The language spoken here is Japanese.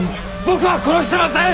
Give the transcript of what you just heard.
僕は殺してません！